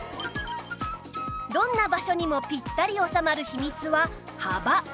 どんな場所にもピッタリ収まる秘密は幅